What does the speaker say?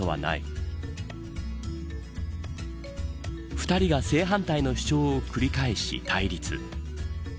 ２人が正反対の主張を繰り返し対立。